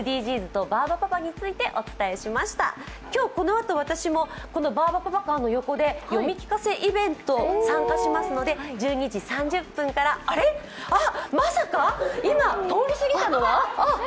このあと私もバーバパパカーの横で読み聞かせイベント、参加しますので１２時３０分からえっまさか今、通りすぎたのは？